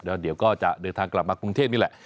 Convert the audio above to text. เดี๋ยวเดี๋ยวก็จะเดินทางกลับมากรุงเทศนี้แหล่ะ